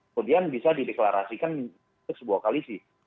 kemudian bisa dideklarasikan untuk sebuah kali sih